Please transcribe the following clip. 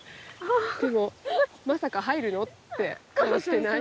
でも「まさか入るの？」って顔してない？